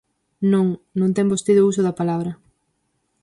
Non, non ten vostede o uso da palabra.